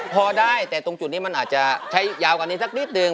พอได้แต่ตรงจุดนี้มันอาจจะใช้ยาวกว่านี้สักนิดนึง